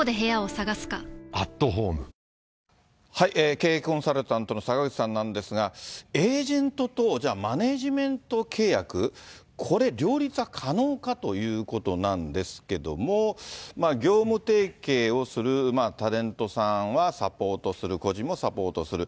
経営コンサルタントの坂口さんなんですが、エージェントと、じゃあ、マネジメント契約、これ、両立は可能かということなんですけども、業務提携をするタレントさんはサポートする、個人もサポートする。